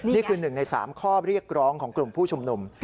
นี่คือ๑ใน๓ข้อเรียกร้องของกลุ่มผู้ชุมนุม